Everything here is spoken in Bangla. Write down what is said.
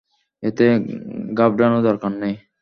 এতে ঘাবড়ানো দরকার নেই।